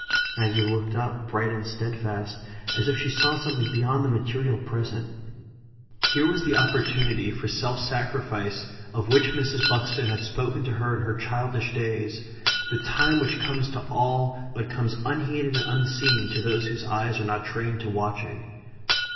Maggie looked up bright and steadfast, as if she saw something beyond the material present. Here was the opportunity for self sacrifice of which Mrs. Buxton had spoken to her in her childish days the time which comes to all, but comes unheeded and unseen to those whose eyes are not trained to watching.